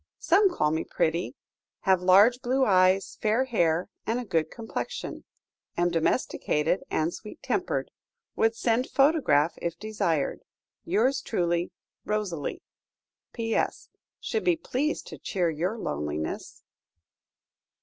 Some call me pretty. Have large blue eyes, fair hair, and a good complexion. Am domesticated and sweet tempered. Would send photograph if desired. "Yours truly, ROSALIE." "PS. Should be pleased to cheer your loneliness."